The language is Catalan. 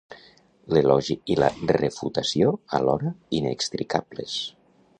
L'elogi i la refutació alhora, inextricables.